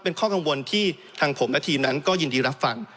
เป็นข้อกังวลที่ทางผมและทีมนั้นก็ยินดีรับฟัง